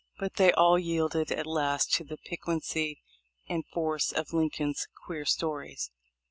But they all yielded at last to the piquancy and force of Lincoln's queer stories.